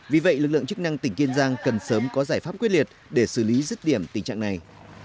vì vậy lực lượng chức năng tỉnh kiên giang cần sớm có giải pháp quyết liệt để xử lý rứt điểm tình trạng này